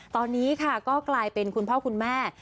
ตอนนี้ค่ะก็กลายเป็นคุณพ่อคุณแม่